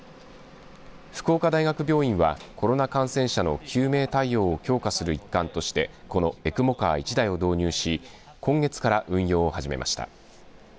福岡大学病院はコロナ感染者の救命対応を強化する一環としてこのエクモカー１台を導入し今月から運用を始めました。